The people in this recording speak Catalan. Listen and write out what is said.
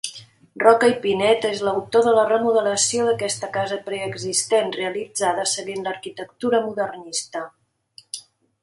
Roca i Pinet és l'autor de la remodelació d'aquesta casa preexistent, realitzada seguint l'arquitectura modernista.